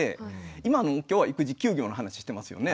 今今日は育児休業の話してますよね。